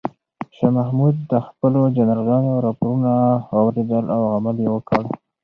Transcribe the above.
شاه محمود د خپلو جنرالانو راپورونه واورېدل او عمل یې وکړ.